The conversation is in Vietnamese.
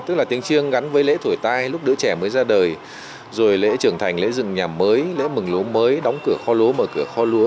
tức là tiếng chiêng gắn với lễ thổi tai lúc đứa trẻ mới ra đời rồi lễ trưởng thành lễ dựng nhà mới lễ mừng lúa mới đóng cửa kho lúa mở cửa kho lúa